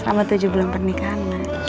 selamat tujuh bulan pernikahan mas